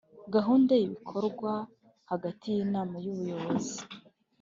gahunda y ibikorwa hagati y Inama y Ubuyobozi